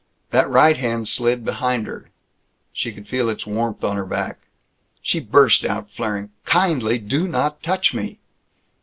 That right hand slid behind her. She could feel its warmth on her back. She burst out, flaring, "Kindly do not touch me!"